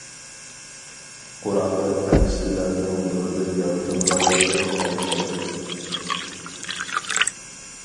قۇرئاندا پەرىشتىلەرنىڭ نۇردىن يارىتىلغانلىقى قەيت قىلىنغان.